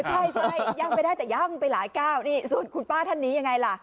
ใช่ใช่ย่ำไปได้แต่ย่างไปหลายก้าวนี่ส่วนคุณป้าท่านนี้ยังไงล่ะ